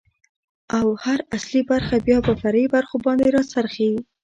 ، او هر اصلي برخه بيا په فرعي برخو باندې را څرخي.